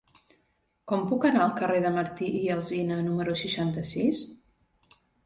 Com puc anar al carrer de Martí i Alsina número seixanta-sis?